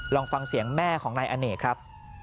ลองฟังเสียงแม่ของนายอเนกครับ